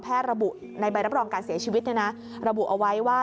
ระบุในใบรับรองการเสียชีวิตระบุเอาไว้ว่า